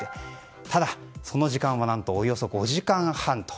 ただ、その時間は何とおよそ５時間半と。